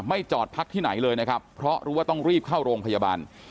จอดพักที่ไหนเลยนะครับเพราะรู้ว่าต้องรีบเข้าโรงพยาบาล